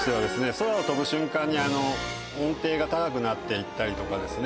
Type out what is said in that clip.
空を飛ぶ瞬間に音程が高くなっていったりとかですね